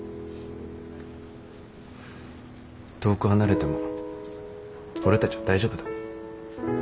遠く離れても俺たちは大丈夫だ。